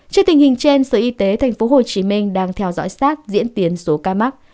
trước tình hình trên sở y tế tp hcm đang theo dõi sát diễn tiến số ca mắc